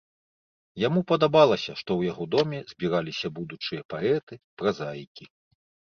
Яму падабалася, што ў яго доме збіраліся будучыя паэты, празаікі.